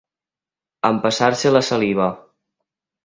Empassar-se la saliva.